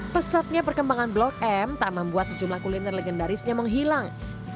pesatnya perkembangan blok m tak membuat sejumlah kuliner legendarisnya menghilang